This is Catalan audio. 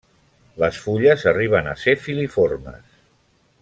Les fulles arriben a ser filiformes.